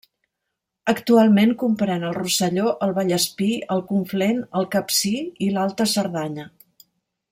Actualment, comprèn el Rosselló, el Vallespir, el Conflent, el Capcir i l'Alta Cerdanya.